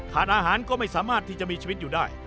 อาหารก็ไม่สามารถที่จะมีชีวิตอยู่ได้